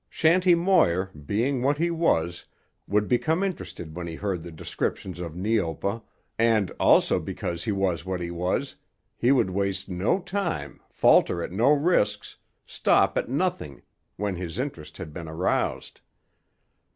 Shanty Moir, being what he was, would become interested when he heard the descriptions of Neopa, and, also because he was what he was, he would waste no time, falter at no risks, stop at nothing when his interest had been aroused.